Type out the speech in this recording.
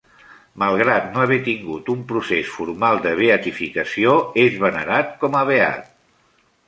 Malgrat no haver tingut un procés formal de beatificació, és venerat com a beat.